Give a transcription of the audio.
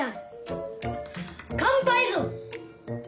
乾杯ぞ。